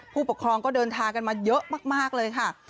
ผู้ปกครองก็เดินทางกันมาเยอะมากเลยค่ะ